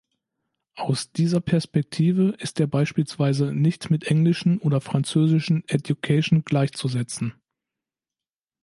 Aus dieser Perspektive ist er beispielsweise nicht mit englischen oder französischen "education" gleichzusetzen.